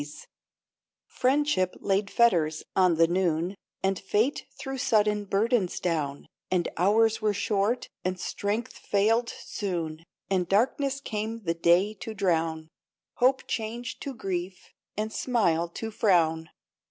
INTERRUPTED 95 Friendship laid fetters on the noon, And fate threw sudden burdens down, And hours were short and strength failed soon, And darkness came the day to drown, Hope changed to grief and smile to frown.